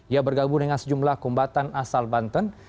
ia bergabung dengan sejumlah kombatan asal banten